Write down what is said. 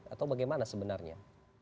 atau bagaimana sebenarnya